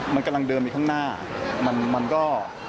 มันกำลังเดิมอยู่ข้างหน้ามันก็